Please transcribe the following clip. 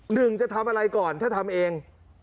หนึ่งจะทำอะไรก่อนถ้าทำเอง